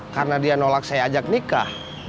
karena dia nolak saya ajak nikah